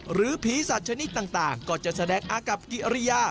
หรือผีสัตว์ชนิดต่างก็จะแสดงอากับกิริยา